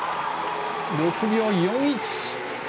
６秒４１。